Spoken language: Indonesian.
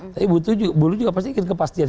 tapi buruh juga pasti ingin kepastian